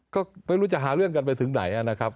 ก็ไม่รู้จะหาเรื่องกันไปถึงไหนนะครับ